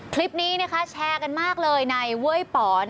คลิปนี้แชร์กันมากเลยในเว้ยป๋อ